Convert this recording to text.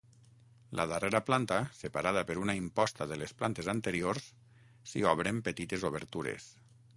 La darrera planta, separada per una imposta de les plantes anteriors, s'hi obren petites obertures.